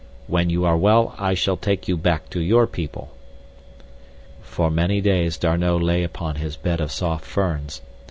When you are well I shall take you back to your people. For many days D'Arnot lay upon his bed of soft ferns.